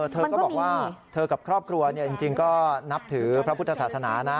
เธอก็บอกว่าเธอกับครอบครัวจริงก็นับถือพระพุทธศาสนานะ